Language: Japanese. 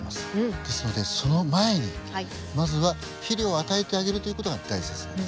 ですのでその前にまずは肥料を与えてあげるという事が大切なんです。